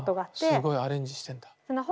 ああすごいアレンジしてんだ。